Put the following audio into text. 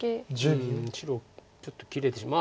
うん白ちょっと切れてしまう。